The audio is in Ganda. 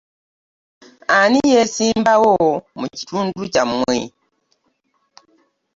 Ani yeesimbawo mu kitundu kyammwe?